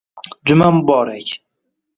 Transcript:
Juma muborak.